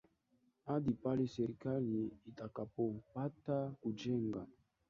hadi pale serikali itakapopata kujenga